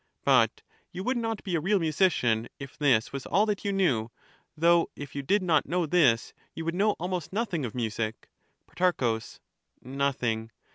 But you would not be a real musician if this was all that you knew; though if you did not know this you would know almost nothing of music. Pro. Nothing.